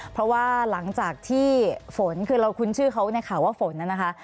เพราะว่าหลังจากที่ฝนคือเราคุ้นชื่อเขาในข่าวว่าฝนน่ะนะคะ